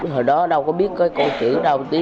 hồi đó đâu có biết cái con chữ đâu